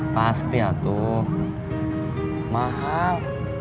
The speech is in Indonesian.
pasti ya tuh mahal